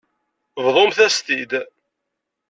Bḍumt-as-t-id.